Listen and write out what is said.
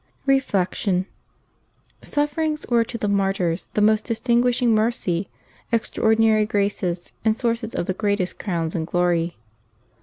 Reflection. — Sufferings were to the martyrs the most distinguishing mercy, extraordinary graces, and sources of the greatest crowns and glory.